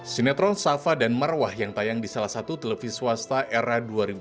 sinetron sava dan marwah yang tayang di salah satu televisi swasta era dua ribu sembilan dua ribu sepuluh